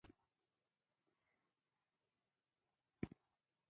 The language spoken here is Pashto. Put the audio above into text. غیرت او میړانه دوی په خپل عمل یې ښایي